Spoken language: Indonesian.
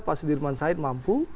pak sudirman said mampu